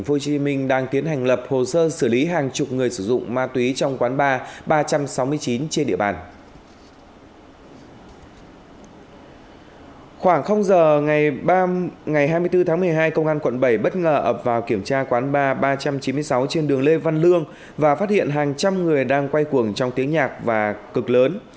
khoảng giờ ngày hai mươi bốn tháng một mươi hai công an quận bảy bất ngờ ập vào kiểm tra quán ba ba trăm chín mươi sáu trên đường lê văn lương và phát hiện hàng trăm người đang quay cuồng trong tiếng nhạc và cực lớn